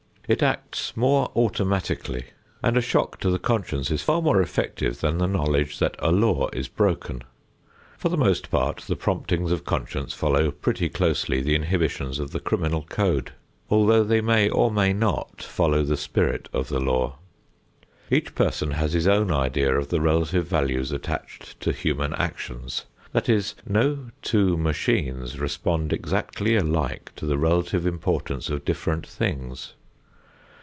It acts more automatically, and a shock to the conscience is far more effective than the knowledge that a law is broken. For the most part the promptings of conscience follow pretty closely the inhibitions of the criminal code, although they may or may not follow the spirit of the law. Each person has his own idea of the relative values attached to human actions. That is, no two machines respond exactly alike as to the relative importance of different things.